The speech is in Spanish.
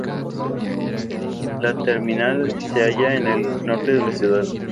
La terminal se halla en el norte de la ciudad.